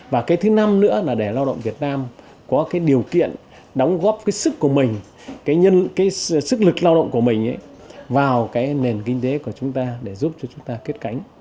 và thứ năm nữa là để lao động việt nam có điều kiện đóng góp sức lực lao động của mình vào nền kinh tế của chúng ta để giúp chúng ta kết cánh